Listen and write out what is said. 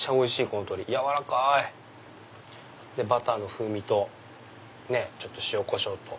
この鶏軟らかい。でバターの風味とねちょっと塩こしょうと。